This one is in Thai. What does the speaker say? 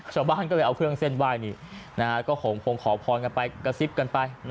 ชาวบ้านก็เลยเอาเครื่องเส้นไหว้นี่ก็คงขอพรกันไปกระซิบกันไป